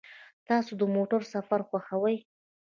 تاسو د موټر سفر خوښوئ؟